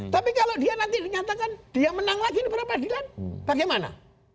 tapi kalau dia nanti dinyatakan dia menang lagi di peradilan bagaimana